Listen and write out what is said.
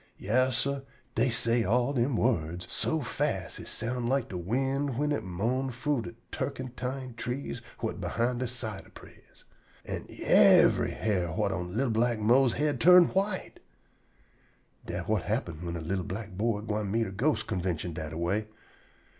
Yas, sah, dey all say dem wo'ds so fas' it soun like de wind whin it moan frough de turkentine trees whut behind de cider priss. An' yevery hair whut on li'l black Mose's head turn white. Dat whut happen whin a li'l black boy gwine meet a ghost convintion dat a way.